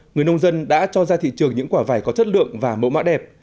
người nông dân đã cho ra thị trường những quả vải có chất lượng và mẫu mã đẹp